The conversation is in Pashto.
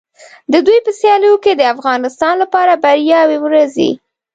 د دوی په سیالیو کې د افغانستان لپاره بریاوې ورځي.